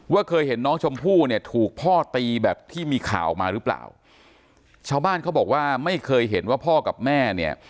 เคยเห็นน้องชมพู่เนี่ยถูกพ่อตีแบบที่มีข่าวออกมาหรือเปล่าชาวบ้านเขาบอกว่าไม่เคยเห็นว่าพ่อกับแม่เนี่ย